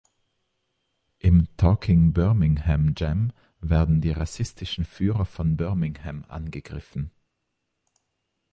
In "Talking Birmingham Jam" werden die rassistischen Führer von Birmingham angegriffen.